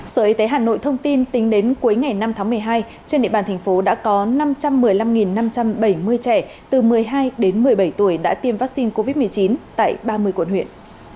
sở y tế hà nội thông tin tính đến cuối ngày năm tháng một mươi hai trên địa bàn thành phố đã có năm trăm một mươi năm năm trăm bảy mươi trẻ từ một mươi hai đến một mươi bảy tuổi đã tiêm vaccine covid một mươi chín tại ba mươi quận huyện